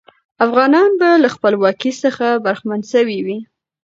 افغانان به له خپلواکۍ څخه برخمن سوي وي.